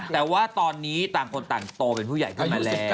แต่ว่าตอนนี้ต่างคนต่างโตเป็นผู้ใหญ่ขึ้นมาแล้ว